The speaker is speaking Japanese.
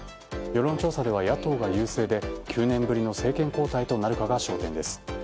世論調査では野党が優勢で９年ぶりの政権交代となるかが焦点です。